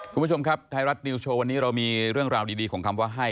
คุณผู้ชมครับไทยรัฐนิวโชว์วันนี้เรามีเรื่องราวดีของคำว่าให้